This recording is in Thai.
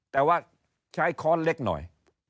แต่ว่าใช้ค้อนเล็กหน่อย